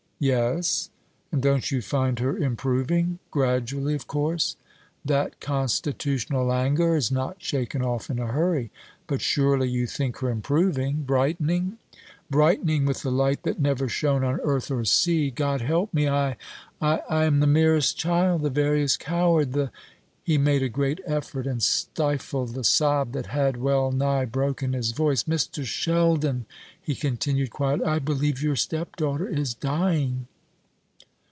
"Yes? And don't you find her improving? gradually, of course. That constitutional languor is not shaken off in a hurry. But surely you think her improving brightening " "Brightening with the light that never shone on earth or sea. God help me! I I am the merest child, the veriest coward, the " He made a great effort, and stifled the sob that had well nigh broken his voice. "Mr. Sheldon," he continued quietly, "I believe your stepdaughter is dying."